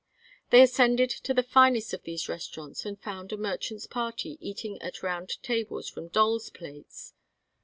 They ascended to the finest of these restaurants and found a merchant's party eating at round tables from dolls' plates.